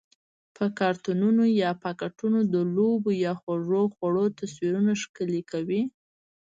په کارتنونو یا پاکټونو د لوبو یا خوږو خوړو تصویرونه ښکلي کوي؟